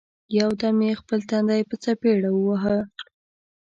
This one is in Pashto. یو دم یې خپل تندی په څپېړه وواهه!